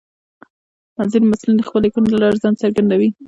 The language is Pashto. ځینې محصلین د خپلو لیکنو له لارې ځان څرګندوي.